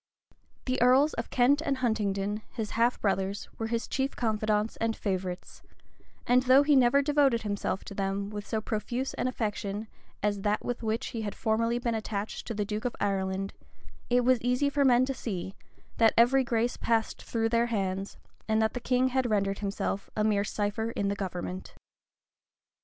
The earls of Kent and Huntingdon, his half brothers, were his chief confidants and favorites; and though he never devoted himself to them with so profuse an affection as that with which he had formerly been attached to the duke of Ireland, it was easy for men to see, that every grace passed through their hands, and that the king had rendered himself a mere cipher in the government.